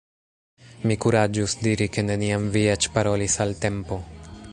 Mi kuraĝus diri ke neniam vi eĉ parolis al Tempo?